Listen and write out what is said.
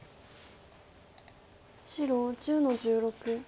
白１０の十六。